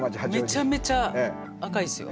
めちゃめちゃ赤いですよ。